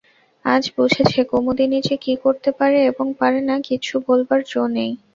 আজ বুঝেছে কুমুদিনী যে কী করতে পারে এবং পারে না কিচ্ছু বলবার জো নেই।